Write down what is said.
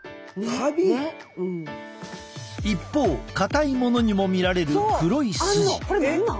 一方硬いものにも見られる黒い筋。